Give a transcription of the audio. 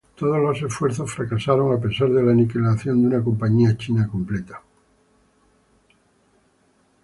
Todos los esfuerzos fracasaron a pesar de la aniquilación de una compañía china completa.